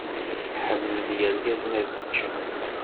Ḥemmlen yirgazen ad ččen